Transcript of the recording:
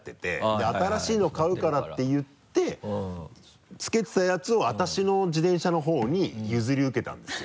で新しいのを買うからっていってつけてたやつを私の自転車の方に譲り受けたんですよ。